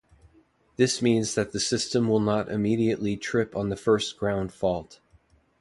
This means that the system will not immediately trip on the first ground fault.